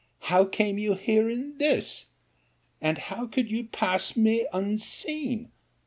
How came you here in this? and how could you pass me unseen?